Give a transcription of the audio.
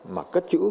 mà cất chữ